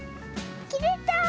きれた。